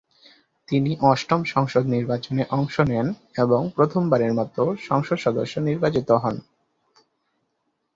তিনি অষ্টম সংসদ নির্বাচনে অংশ নেন এবং প্রথম বারের মত সংসদ সদস্য নির্বাচিত হন।